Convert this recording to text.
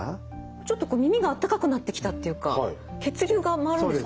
ちょっとこう耳があったかくなってきたっていうか血流が回るんですかね。